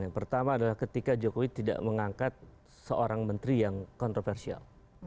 yang pertama adalah ketika jokowi tidak mengangkat seorang menteri yang kontroversial